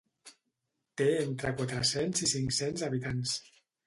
Té entre quatre-cents i cinc-cents habitants.